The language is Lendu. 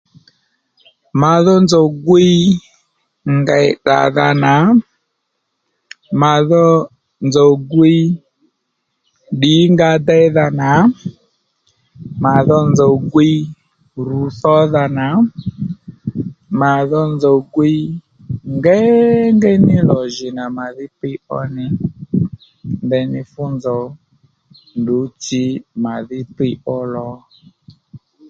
Mà dho nzòw gwiy ngèy tdràdha nà mà dho nzòw gwiy ddǐngǎ déydha nà mà dho nzòw gwiy rù thódha nà mà dho nzòw gwiy ngéyngéy ní lò jì nà màdhí thiy ó nì ndèyní fú nzòw fú ndrǔ tsǐ màdhí thiy ó lò